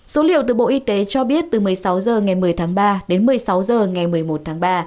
số liệu từ bộ y tế cho biết từ một mươi sáu h ngày một mươi tháng ba đến một mươi sáu h ngày một mươi một tháng ba